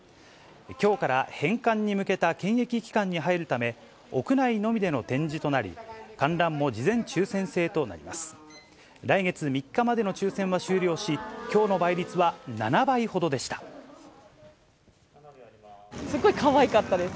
きょうから返還に向けた検疫期間に入るため、屋内のみでの展示となり、観覧も事前抽せん制となります。